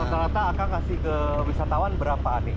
rata rata akan kasih ke wisatawan berapa nih